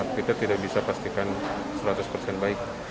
kita tidak bisa pastikan seratus persen baik